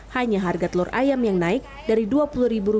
hanya harga telur ayam yang naik dari rp dua puluh menjadi rp dua puluh tiga